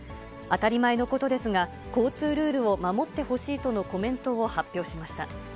当たり前のことですが、交通ルールを守ってほしいとのコメントを発表しました。